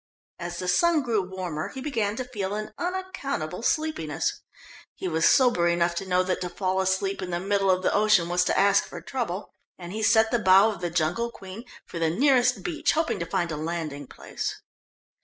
As the sun grew warmer he began to feel an unaccountable sleepiness. He was sober enough to know that to fall asleep in the middle of the ocean was to ask for trouble, and he set the bow of the Jungle Queen for the nearest beach, hoping to find a landing place.